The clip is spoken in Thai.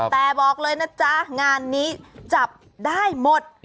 แต่บอกเลยนะจ๊ะงานนี้จับได้หมด